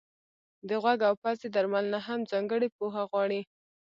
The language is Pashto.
د غوږ او پزې درملنه هم ځانګړې پوهه غواړي.